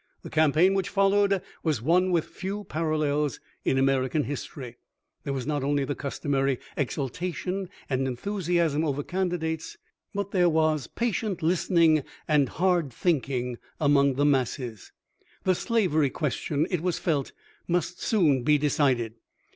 The campaign which followed was one with few parallels in American history. There was not only the customary exultation and enthu siasm oVer candidates, but there was patient listening and hard thinking among the masses. The slavery question, it was felt, must soon be decided.